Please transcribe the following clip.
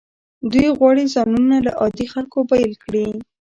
دوی غواړي ځانونه له عادي خلکو بیل کړي.